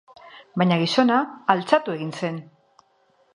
Baina gizona altxatu egin zen.